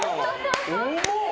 重っ！